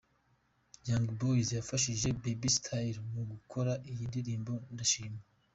Young Boy wafashije Baby Style mu gukora iyi ndirimbo Ndashima.